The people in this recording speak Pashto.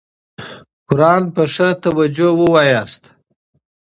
قرآن په دقت ولولئ.